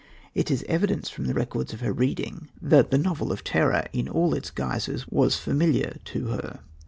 It is evident from the records of her reading that the novel of terror in all its guises was familiar to her.